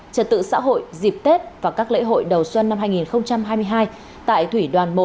trật tự xã hội dịp tết và các lễ hội đầu xuân năm hai nghìn hai mươi hai tại thủy đoàn một